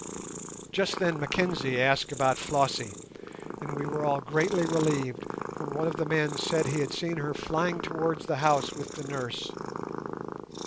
Just then Mackenzie asked about Flossie, and we were all greatly relieved when one of the men said he had seen her flying towards the house with the nurse.